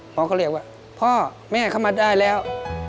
เขาก็เรียกว่าพ่อแม่เข้ามาได้แล้ว